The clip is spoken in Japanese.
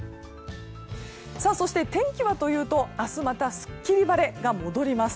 そして天気はというと明日またすっきり晴れが戻ります。